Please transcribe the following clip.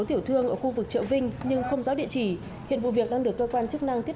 tiểu thương ở khu vực chợ vinh nhưng không rõ địa chỉ hiện vụ việc đang được cơ quan chức năng tiếp